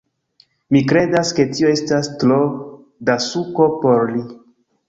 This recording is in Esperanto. Mi kredas, ke tio estas tro da suko por li